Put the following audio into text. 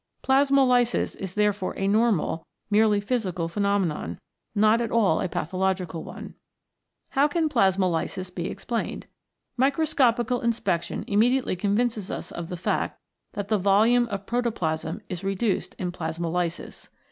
Plasmolysis is therefore a normal, merely physical phenomenon, not at all a pathological one. How can plasmolysis be explained ? Micro scopical inspection immediately convinces us of the fact that the volume of protoplasm is reduced in plasmolysis.